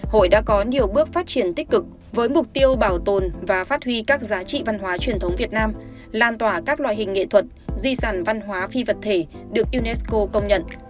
hội đã có nhiều bước phát triển tích cực với mục tiêu bảo tồn và phát huy các giá trị văn hóa truyền thống việt nam lan tỏa các loại hình nghệ thuật di sản văn hóa phi vật thể được unesco công nhận